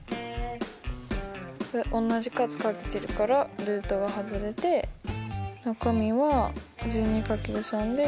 同じ数かけてるからルートが外れて中身は１２×３で３６。